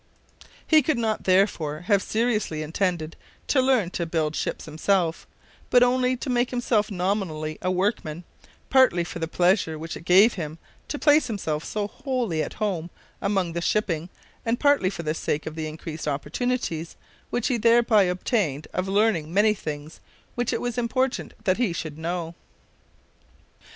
He could not, therefore, have seriously intended to learn to build ships himself, but only to make himself nominally a workman, partly for the pleasure which it gave him to place himself so wholly at home among the shipping, and partly for the sake of the increased opportunities which he thereby obtained of learning many things which it was important that he should know.